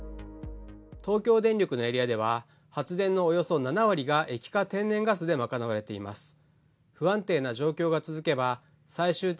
東京電力のエリアでは発電のおよそ７割が液化天然ガスで賄われています。